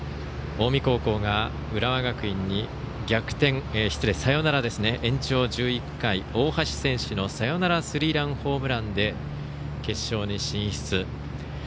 近江高校が浦和学院にサヨナラ延長１１回大橋選手のサヨナラスリーランホームランで決勝に進出。